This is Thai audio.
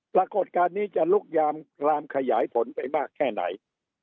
ปรากฏการณ์นี้จะลุกยามคลามขยายผลไปมากแค่ไหน